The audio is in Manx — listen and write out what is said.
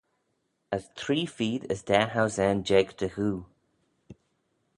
As three-feed as daa housane jeig dy ghew.